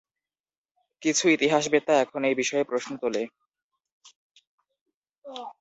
কিছু ইতিহাসবেত্তা এখন এই বিষয়ে প্রশ্ন তোলে।